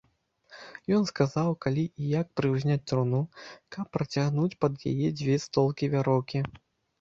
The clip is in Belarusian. Ён сказаў, калі і як прыўзняць труну, каб працягнуць пад яе дзве столкі вяроўкі.